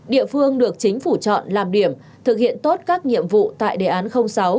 địa phương được chính phủ chọn làm điểm thực hiện tốt các nhiệm vụ tại đề án sáu